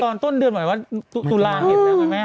ตอนต้นเดือนหมายว่าตุลาเห็นแล้วไหมแม่